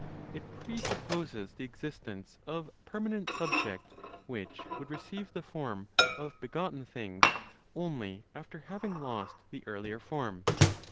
It presupposes the existence of permanent (subject) which would receive the form of begotten things only after having lost the earlier form.